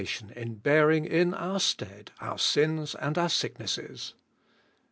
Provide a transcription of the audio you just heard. km in bearing in our stead ear sins and our sicknesses.